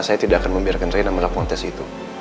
karena saya tidak akan membiarkan rena melakukan tes itu